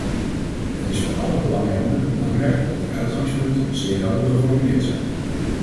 Het is voor alle belanghebbenden belangrijk dat die uitgangspunten zeer helder geformuleerd zijn.